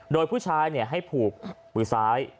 โดยผู้ชายให้ผูกมือซ้าย